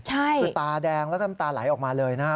คือตาแดงแล้วก็น้ำตาไหลออกมาเลยนะครับ